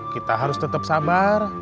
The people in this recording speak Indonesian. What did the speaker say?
kita harus tetap sabar